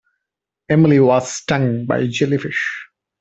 Emily was stung by a jellyfish.